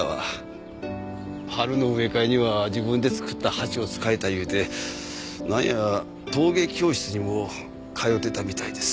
春の植え替えには自分で作った鉢を使いたい言うてなんや陶芸教室にも通うてたみたいです。